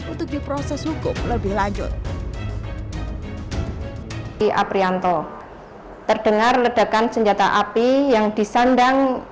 untuk diproses hukum lebih lanjut di aprianto terdengar ledakan senjata api yang disandang